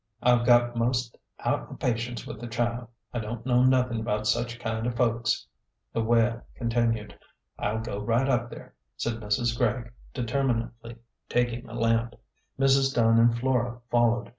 I've got 'most out o' patience with the child. I don't know nothin' about such kind of folks." The wail continued. "I'll go right up there," said Mrs. Gregg, determinately, taking a lamp. Mrs. Dunn and Flora followed.